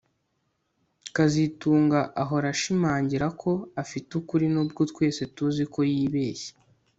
kazitunga ahora ashimangira ko afite ukuri nubwo twese tuzi ko yibeshye